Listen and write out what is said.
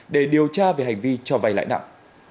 để điều tra về hành vi cho vay lãi nặng